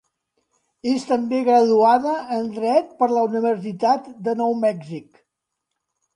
És també graduada en dret per la Universitat de Nou Mèxic.